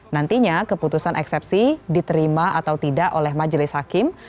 nantinya keputusan eksepsi diterima atau tidak oleh majelis hakim